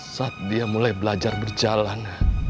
saat dia mulai belajar berjalan